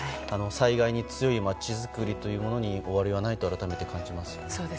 災害に強い町づくりというものに終わりはないと改めて感じます。